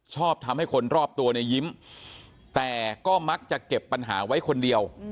ชอบทำให้คนรอบตัวเนี่ยยิ้มแต่ก็มักจะเก็บปัญหาไว้คนเดียว